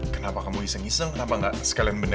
kenapa kamu iseng iseng kenapa gak sekalian beneran aja